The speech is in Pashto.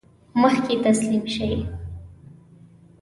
مخکې تسلیم شي.